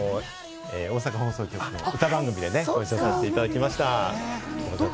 大阪放送局の歌番組でお会いさせていただきました。